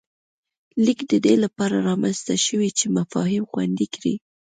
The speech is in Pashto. لیک د دې له پاره رامنځته شوی چې مفاهیم خوندي کړي